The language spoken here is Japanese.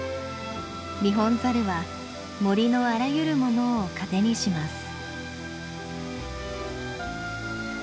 ニホンザルは森のあらゆるものを糧にします。